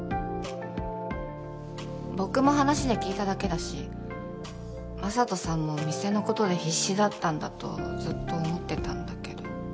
僕も話で聞いただけだしＭａｓａｔｏさんも店のことで必死だったんだとずっと思ってたんだけど。